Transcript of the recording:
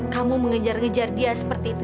kamu mengejar ngejar dia seperti itu